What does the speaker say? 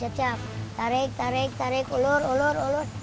siap siap tarik tarik tarik ulur ulur